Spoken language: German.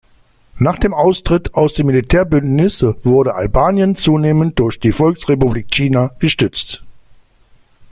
Nach dem Austritt aus dem Militärbündnis wurde Albanien zunehmend durch die Volksrepublik China gestützt.